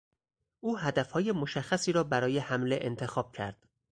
او هدفهای مشخصی را برای حمله انتخاب کرد.